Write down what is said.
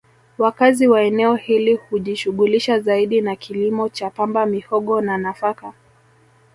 Wakazi wa eneo hili hujishughulisha zaidi na kilimo cha pamba mihogo na nafaka